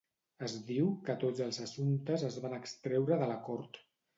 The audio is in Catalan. Es diu que tots els assumptes es van extreure de la cort.